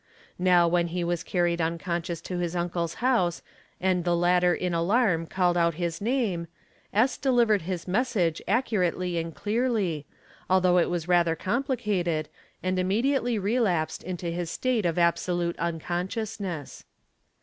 Now when he was carried unconscious to his uncle's house and the latter in alarm called out his name, S. delivered his message accu rately and clearly, although it was rather complicated, and immediately relapsed into his state of absolute unconsciousness.